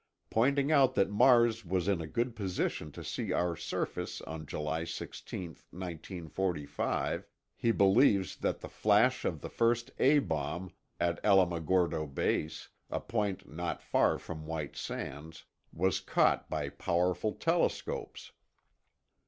Pointing out that Mars was in a good position to see our surface on July 16, 1945, he believes that the flash of the first A bomb, at Alamogordo Base, a point not far from White Sands, was caught by powerful telescopes.